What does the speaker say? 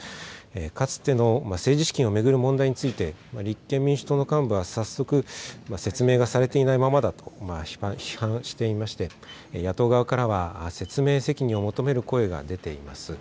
かつての政治資金を巡る問題について、立憲民主党の幹部は早速、説明がされていないままだと、批判していまして、野党側からは、説明責任を求める声が出ています。